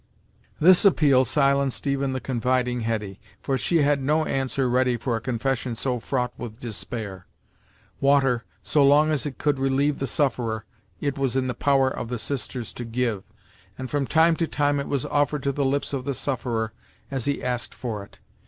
This appeal silenced even the confiding Hetty, for she had no answer ready for a confession so fraught with despair. Water, so long as it could relieve the sufferer, it was in the power of the sisters to give, and from time to time it was offered to the lips of the sufferer as he asked for it.